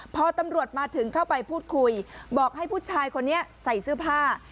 พอตำรวจมาถึงเข้าไปพูดคุยบอกให้ผู้ชายคนนี้ใส่เสื้อผ้า